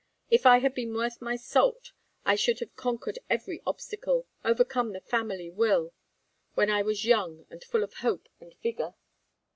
If I had been worth my salt I should have conquered every obstacle, overcome the family will, when I was young and full of hope and vigor.